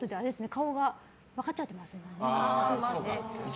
顔が分かっちゃってますね。